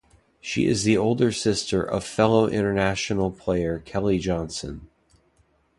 She is the older sister of fellow international player Kelley Johnson.